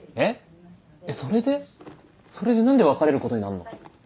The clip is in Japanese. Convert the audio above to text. えっそれで⁉それで何で別れることになんの？